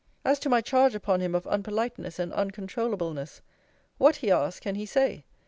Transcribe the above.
'As to my charge upon him of unpoliteness and uncontroulableness What [he asks] can he say?